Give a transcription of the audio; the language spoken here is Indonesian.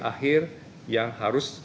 akhir yang harus